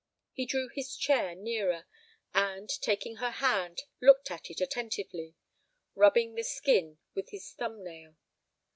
He drew his chair nearer, and, taking her hand, looked at it attentively, rubbing the skin with his thumb nail.